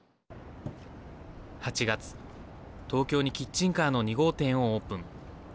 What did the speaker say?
８月、東京にキッチンカーの２号店をオープン。